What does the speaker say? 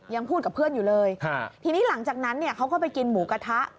ยังพูดกับเพื่อนอยู่เลยทีนี้หลังจากนั้นเนี่ยเขาก็ไปกินหมูกระทะ